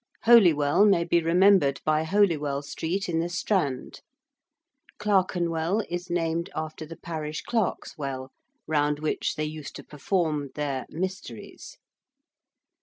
~Holywell~ may be remembered by Holywell Street, in the Strand. ~Clerkenwell~ is named after the Parish Clerks' Well, round which they used to perform their 'mysteries.'